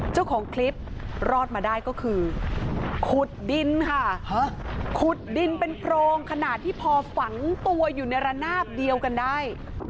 เจ้าของคลิปรอดมาได้ก็คือขุดดินค่ะขุดดินเป็นโพรงขนาดที่พอฝังตัวอยู่ในระนาบเดียวกันได้